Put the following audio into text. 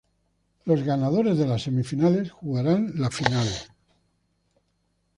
Los ganadores de las semifinales jugarán la final.